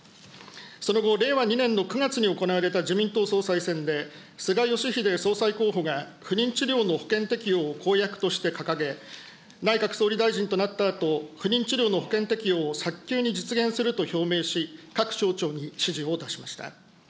その後、令和２年の９月に行われた自民党総裁選で、菅義偉総裁候補が不妊治療の保険適用を公約として掲げ、内閣総理大臣となったあと、不妊治療の保険適用を早急に実現すると表明し、各省庁に指示を出しました。